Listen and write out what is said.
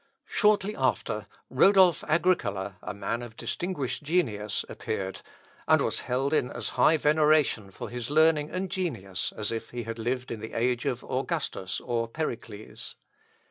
Shortly after, Rodolph Agricola, a man of distinguished genius, appeared, and was held in as high veneration for his learning and genius, as if he had lived in the age of Augustus or Pericles.